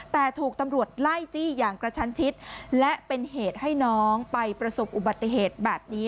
แต่ถูกตำรวจไล่จี้อย่างกระชันชิดและเป็นเหตุให้น้องไปประสบอุบัติเหตุแบบนี้